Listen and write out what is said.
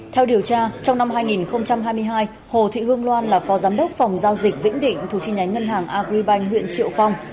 theo điều tra trong năm hai nghìn hai mươi hai hồ thị hương loan là phó giám đốc phòng giao dịch vĩnh định thuộc chi nhánh ngân hàng agribank huyện triệu phong